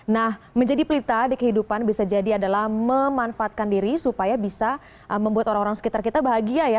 nah menjadi pelita di kehidupan bisa jadi adalah memanfaatkan diri supaya bisa membuat orang orang sekitar kita bahagia ya